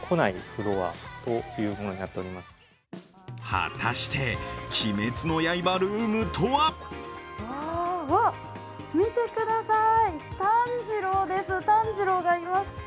果たして、「鬼滅の刃」ルームとはわ、見てください、炭治郎です、炭治郎がいます。